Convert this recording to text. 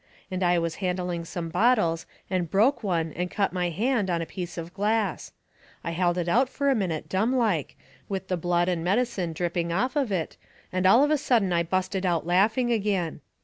And I was handling some bottles and broke one and cut my hand on a piece of glass. I held it out fur a minute dumb like, with the blood and medicine dripping off of it, and all of a sudden I busted out laughing agin.